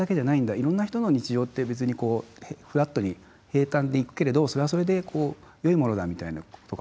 いろんな人の日常って別にこうフラットに平たんでいくけれどそれはそれでこうよいものだみたいなことが分かってすごいほっとすると。